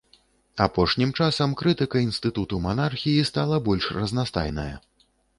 Апошнім часам крытыка інстытуту манархіі стала больш разнастайная.